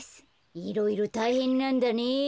いろいろたいへんなんだね。